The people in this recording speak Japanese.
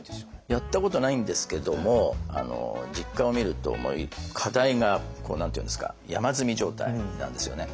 やったことはないんですけども実家を見ると課題が山積み状態なんですよね。